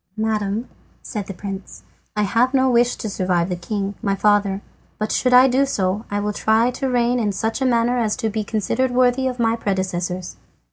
"Madam," said the prince, "I have no wish to survive the king, my father, but should I do so I will try to reign in such a manner as may be considered worthy of my predecessors."